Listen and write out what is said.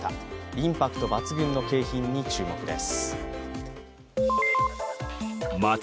インパクト抜群の景品の注目です。